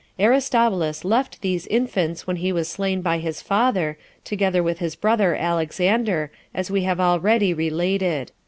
Aristobulus left these infants when he was slain by his father, together with his brother Alexander, as we have already related.